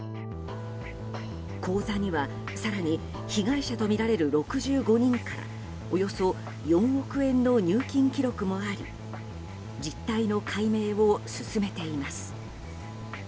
口座には更に被害者とみられる６５人からおよそ４億円の入金記録もあり実態の解明を進めています。